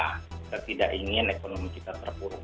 kita tidak ingin ekonomi kita terpuruk